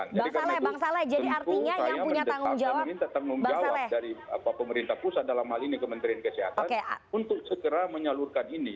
bang saleh bang saleh jadi artinya yang punya tanggung jawab dari pemerintah pusat dalam hal ini kementerian kesehatan untuk segera menyalurkan ini